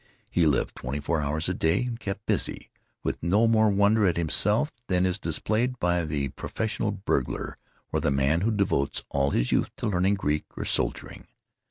He lived twenty four hours a day and kept busy, with no more wonder at himself than is displayed by the professional burglar or the man who devotes all his youth to learning Greek or soldiering.